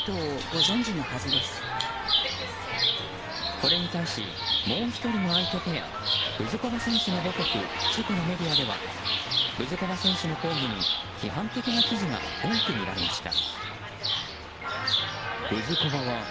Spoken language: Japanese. これに対しもう１人の相手ペアブズコバ選手の母国チェコのメディアではブズコバ選手の抗議に批判的な記事が多く見られました。